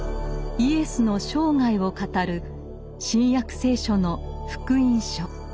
イエスの生涯を語る「新約聖書」の「福音書」。